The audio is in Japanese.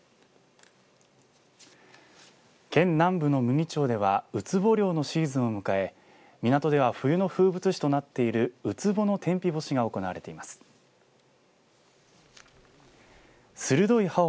県南部の牟岐町ではうつぼ漁のシーズンを迎え港では冬の風物詩となっているうつぼの天日干しが行われています。